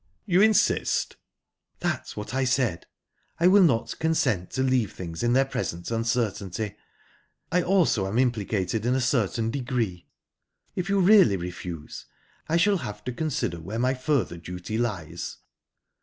"You insist?" "That's what I said. I will not consent to leave things in their present uncertainty. I also am implicated in a certain degree. If you really refuse, I shall have to consider where my further duty lies."